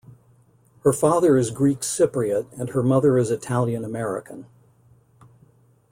Her father is Greek-Cypriot and her mother is Italian-American.